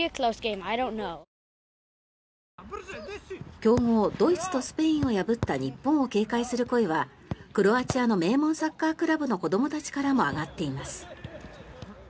強豪ドイツとスペインを破った日本を警戒する声はクロアチアの名門サッカークラブの子どもたちからも上がっています。